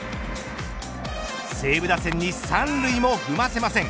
西武打線に３塁も踏ませません。